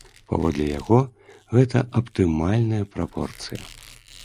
Паводле яго, гэта аптымальная прапорцыя.